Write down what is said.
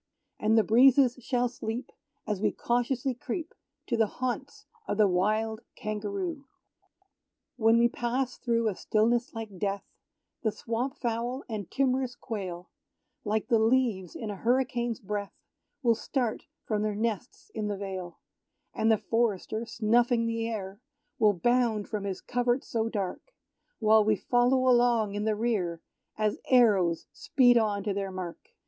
And the breezes shall sleep, As we cautiously creep To the haunts of the wild Kangaroo. When we pass through a stillness like death The swamp fowl and timorous quail, Like the leaves in a hurricane's breath, Will start from their nests in the vale; And the forester,* snuffing the air, Will bound from his covert so dark, While we follow along in the rear, As arrows speed on to their mark!